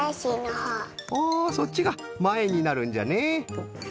ほおそっちがまえになるんじゃね。